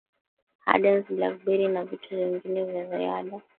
Hardens Blackberry na vitu vingine vya ziada